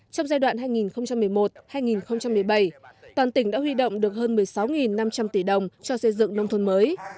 trong giai đoạn hai nghìn một mươi một hai nghìn một mươi bảy toàn tỉnh đã huy động được hơn một mươi sáu năm trăm linh tỷ đồng cho xây dựng nông thôn mới